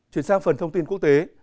chuyển sang phần thông tin quốc tế